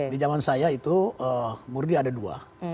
di zaman saya itu murni ada dua